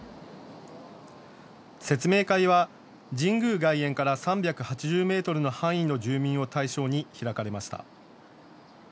説明会は神宮外苑から３８０メートルの範囲の住民を対象に開かれました。